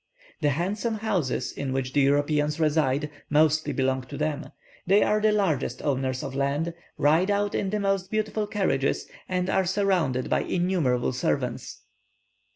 The handsome houses in which the Europeans reside mostly belong to them; they are the largest owners of land, ride out in the most beautiful carriages, and are surrounded by innumerable servants.